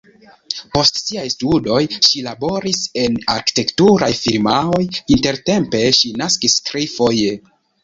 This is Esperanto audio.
Post siaj studoj ŝi laboris en arkitekturaj firmaoj, intertempe ŝi naskis trifoje.